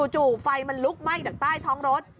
จู่ไฟมันลุกไหม้จากใต้ท้องรถ